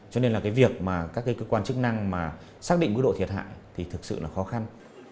cho nên là cái việc mà các cái cơ quan chức năng mà xác định mức độ thiệt hại thì thực sự là khó khăn